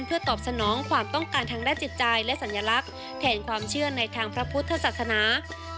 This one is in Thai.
เพื่อตอบสนองความต้องการทางด้านจิตใจและสัญลักษณ์แทนความเชื่อในทางพระพุทธศาสนา